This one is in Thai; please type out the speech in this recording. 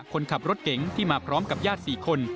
คนขับรถเก๋งที่มาพร้อมกับญาติ๔คน